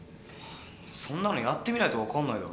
そんなのやってみないと分かんないだろ。